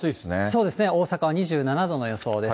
そうですね、大阪は２７度の予想です。